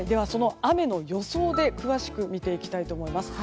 雨の予想で詳しく見ていきたいと思います。